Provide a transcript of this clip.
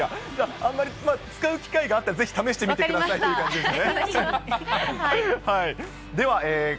あんまり使う機会があったら、ぜひ、試してみてくださいっていう感じですね。